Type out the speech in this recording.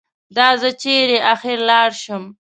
دا زه چېرې اخر لاړ شم؟